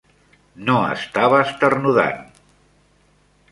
No estava esternudant.